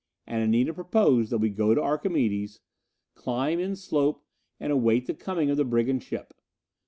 And Anita proposed that we go to Archimedes, climb in slope and await the coming of the brigand ship.